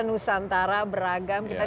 nusantara beragam kita